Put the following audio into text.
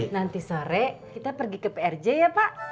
nanti sore kita pergi ke prj ya pak